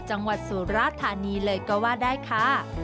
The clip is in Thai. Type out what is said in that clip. จังหวัดสุรธานีย์เลยก็ว่าได้ค่ะ